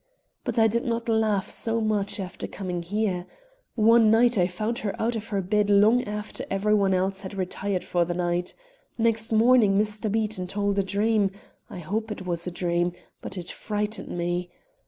But I did not laugh so much after coming here. One night I found her out of her bed long after every one else had retired for the night. Next morning Mr. Beaton told a dream I hope it was a dream but it frightened me.